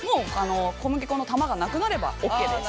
小麦粉の玉がなくなればオッケーです。